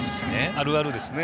あるあるですね。